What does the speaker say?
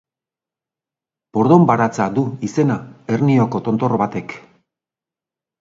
"Pordonbaratza" du izena Hernioko tontor batek.